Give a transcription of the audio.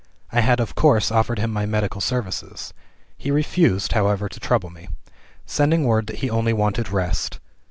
I had of course offered him my medical services. He refused, however, to trouble me; sending word that he only wanted rest.